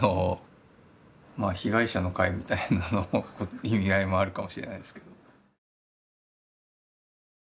まあ被害者の会みたいな意味合いもあるかもしれないですけど。